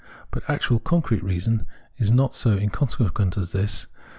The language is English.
But actual concrete reason is not so inconse quent as this.